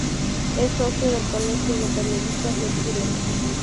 Es socio del Colegio de Periodistas de Chile.